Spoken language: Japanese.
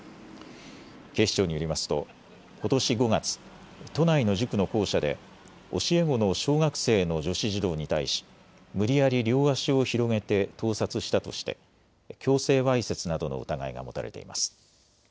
警視庁によりますとことし５月、都内の塾の校舎で教え子の小学生の女子児童に対し無理やり両足を広げて盗撮したとして強制わいせつなどの疑いが持たれています。